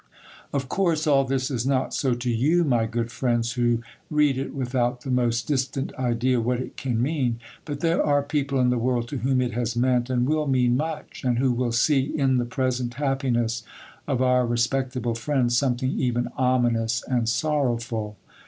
Of course all this is not so to you, my good friends, who read it without the most distant idea what it can mean; but there are people in the world to whom it has meant and will mean much, and who will see in the present happiness of our respectable friend something even ominous and sorrowful.